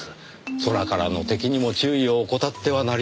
空からの敵にも注意を怠ってはなりません。